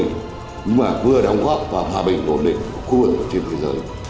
nhưng mà vừa đóng góp vào hòa bình ổn định của khu vực và trên thế giới